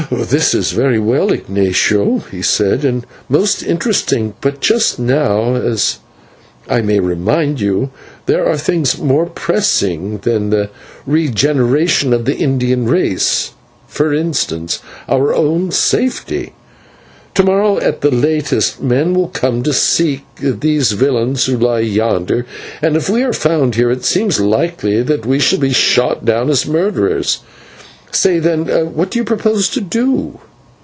"This is very well, Ignatio," he said, "and most interesting, but just now, as I may remind you, there are things more pressing than the regeneration of the Indian race; for instance, our own safety. To morrow, at the latest, men will come to seek these villains who lie yonder, and if we are found here it seems likely that we shall be shot down as murderers. Say, then, what do you propose to do?"